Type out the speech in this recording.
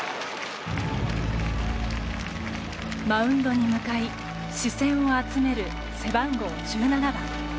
マウンドに向かい視線を集める背番号１７番。